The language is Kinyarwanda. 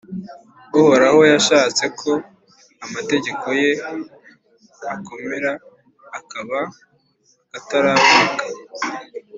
Uhoraho yashatse ko amategeko ye akomera, akaba akataraboneka.